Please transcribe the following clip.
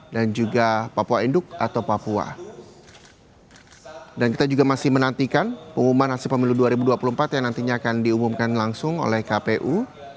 dan kita juga masih menantikan pengumuman hasil pemilu dua ribu dua puluh empat yang nantinya akan diumumkan langsung oleh kpu